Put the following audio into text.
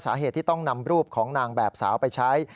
สาเหตุที่ต้องนำรูปของนางแบบสาวไปใช้